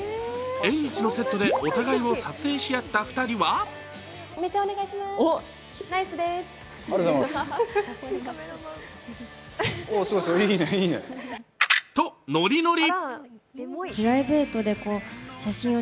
縁日のセットでお互いを撮影し合った２人はとノリノリ。